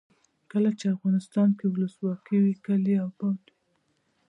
کله چې افغانستان کې ولسواکي وي کلي اباد وي.